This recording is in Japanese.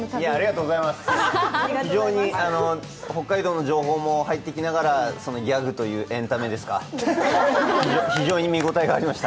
非常に北海道の情報も入ってきながらギャグというエンタメですか、非常に見応えがありました。